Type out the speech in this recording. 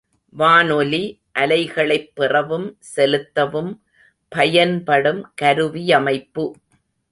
வானொலி அலைகளைப் பெறவும் செலுத்தவும் பயன்படும் கருவியமைப்பு.